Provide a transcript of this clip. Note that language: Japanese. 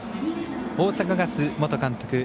大阪ガス元監督